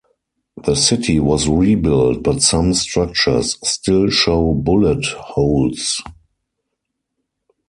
The city was rebuilt but some structures still show bullet holes.